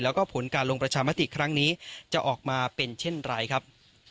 แล้วก็ผลการลงประชามติครั้งนี้จะออกมาเป็นเช่นไรครับ